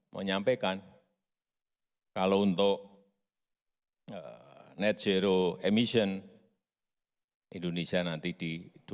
mau nyampaikan kalau untuk net zero emission indonesia nanti di dua ribu enam puluh